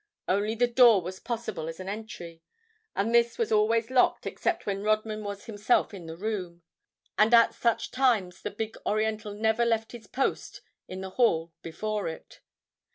Only the door was possible as an entry, and this was always locked except when Rodman was himself in the room. And at such times the big Oriental never left his post in the hall before it.